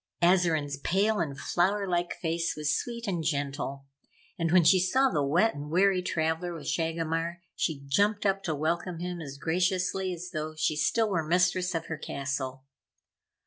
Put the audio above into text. Azarine's pale and flower like face was sweet and gentle and, when she saw the wet and weary traveller with Shagomar, she jumped up to welcome him as graciously as though she still were mistress of her castle.